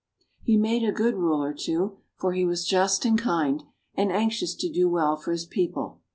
He made a good ruler, too, for he was just and kind, and anxious to do well for his people.